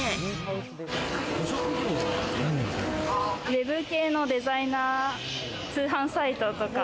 ウェブ系のデザイナー、通販サイトとか。